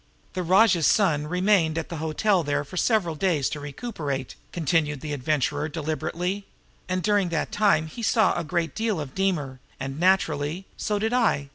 "The rajah's son remained at the hotel there for several days to recuperate," continued the Adventurer deliberately; "and during that time he saw a great deal of Deemer, and, naturally, so did I.